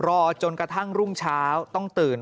รอจนกระทั่งรุ่งเช้าต้องตื่น